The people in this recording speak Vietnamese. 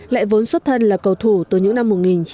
lại vốn xuất thân là cầu thủ từ những năm một nghìn chín trăm bảy mươi